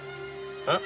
えっ？